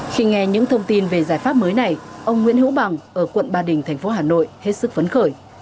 khi nghe những thông tin về giải pháp mới này ông nguyễn hữu bằng ở quận ba đình thành phố hà nội hết sức phấn khởi